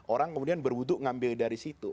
orang kemudian berwudhu ngambil dari situ